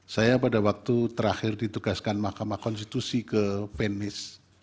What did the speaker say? saya pada waktu terakhir ditugaskan mahkamah konstitusi ke penis